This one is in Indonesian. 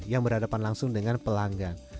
yang berhadapan langsung dengan pelanggan